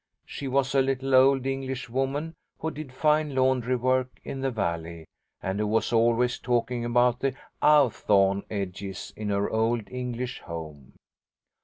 She was a little old Englishwoman, who did fine laundry work in the Valley, and who was always talking about the 'awthorne' edges in her old English home.